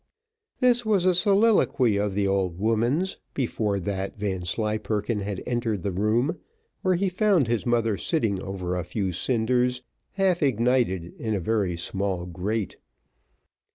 This was a soliloquy of the old woman's before that Vanslyperken had entered the room, where he found his mother sitting over a few cinders half ignited in a very small grate.